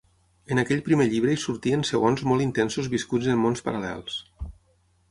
En aquell primer llibre hi sortien segons molt intensos viscuts en mons paral·lels.